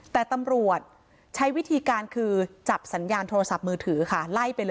แต่ตำรวจใช้วิธีการคือจับสัญญาณโทรศัพท์มือถือค่ะไล่ไปเลย